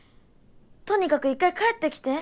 とにかく一回帰って来て。